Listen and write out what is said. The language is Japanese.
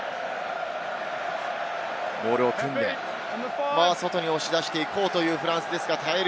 モールを組んで、外に押し出していこうというフランスですが、耐える